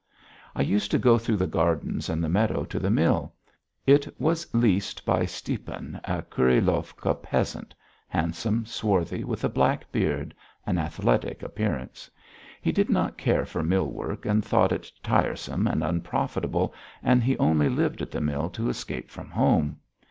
I used to go through the gardens and the meadow to the mill. It was leased by Stiepan, a Kurilovka peasant; handsome, swarthy, with a black beard an athletic appearance. He did not care for mill work and thought it tiresome and unprofitable, and he only lived at the mill to escape from home.